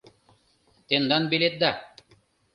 — Тендан билетда.